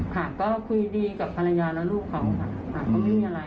ค่ะก็คุยกับภาระงานแล้วลูกเขามีไม่มีอะไร